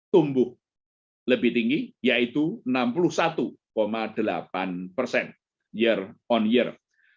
tumbuh lebih tinggi yaitu enam puluh satu delapan persen year on year